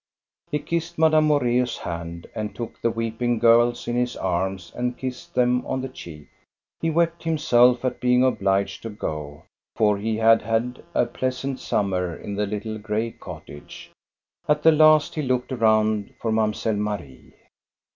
He kissed Madame Moreus' hand and took the weep ing girls in his arms and kissed them on the cheek. He wept himself at being obliged to go, for he had had a pleasant summer in the little gray cottage. At the last he looked around for Mamselle Marie.